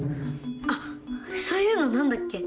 あっそういうの何だっけ。